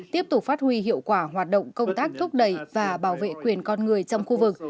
tiếp tục phát huy hiệu quả hoạt động công tác thúc đẩy và bảo vệ quyền con người trong khu vực